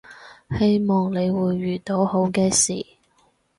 希望你會遇到好嘅事